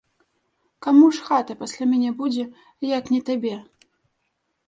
Каму ж хата пасля мяне будзе, як не табе?